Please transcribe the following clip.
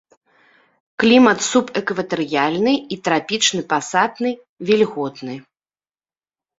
Клімат субэкватарыяльны і трапічны пасатны, вільготны.